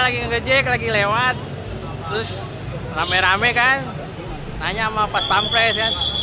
lagi ngejek lagi lewat terus rame rame kan nanya sama pas pampres kan